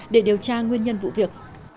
để điều tra nguyên nhân vụ việc